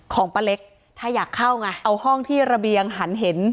ป้าเล็กถ้าอยากเข้าไงเอาห้องที่ระเบียงหันเห็น